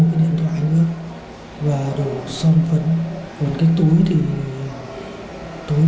một cái điện thoại nữa và đồ song phấn còn cái túi thì túi